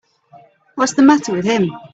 What's the matter with him.